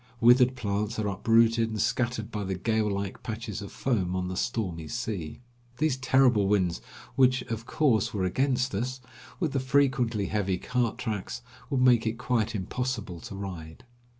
Withered plants are uprooted and scattered by the gale like patches of foam on the stormy sea. These terrible winds, which of course were against us, with the frequently heavy cart tracks, would make it quite impossible to ride.